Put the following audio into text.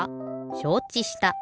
しょうちした。